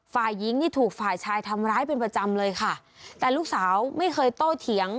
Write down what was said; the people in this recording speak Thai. ฝ่ายหญิงนี่ถูกฝ่ายชายทำร้ายเป็นประจำเลยค่ะแต่ลูกสาวไม่เคยโตเถียง